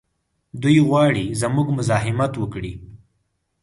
دوی غواړي زموږ مزاحمت وکړي.